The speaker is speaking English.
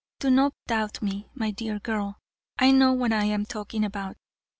Do not doubt me, my dear girl, I know what I am talking about.